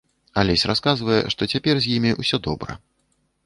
Алесь расказвае, што цяпер з імі ўсё добра.